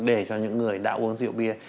để cho những người đã uống rượu bia